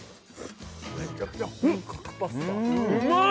めちゃくちゃ本格パスタうまい！